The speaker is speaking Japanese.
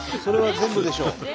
それは全部でしょう。